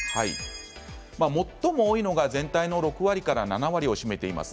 最も多いのが全体の６割から７割を占めています